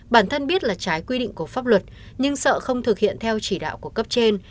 bản thân biết là trái quy định của pháp luật nhưng sợ không thực hiện theo chỉ đạo của cấp trên